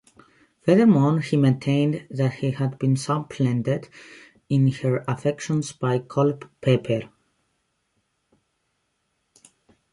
Furthermore, he maintained that he had been supplanted in her affections by Culpeper.